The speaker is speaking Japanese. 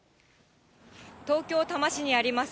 東京・多摩市にあります